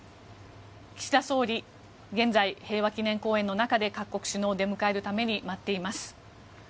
岸田総理、現在平和記念公園の中で各国首脳を出迎えるために待っています。